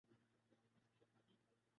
کرنے کو بہت کچھ ہے۔